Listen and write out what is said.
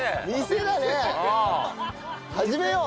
始めよう！